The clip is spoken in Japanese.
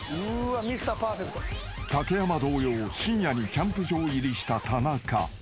［竹山同様深夜にキャンプ場入りした田中］